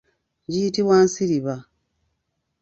Giyitibwa nsiriba.